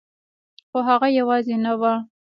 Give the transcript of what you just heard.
خو هغه یوازې نه وه